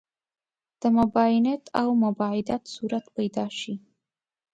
د مباینت او مباعدت صورت پیدا شي.